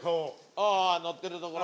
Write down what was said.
・ああ乗ってるところ？